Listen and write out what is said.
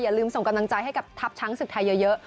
ลืมส่งกำลังใจให้กับทัพช้างศึกไทยเยอะ